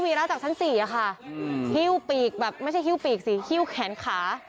วีระด่ากลับอย่างเดียวแล้วยวนมาอะไรออกมา